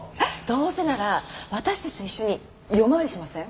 どうせなら私たちと一緒に夜回りしません？